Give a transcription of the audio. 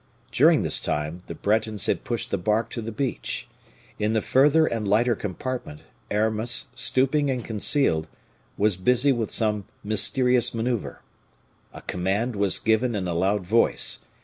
During this time, the Bretons had pushed the bark to the beach. In the further and lighter compartment, Aramis, stooping and concealed, was busy with some mysterious maneuver. A command was given in a loud voice.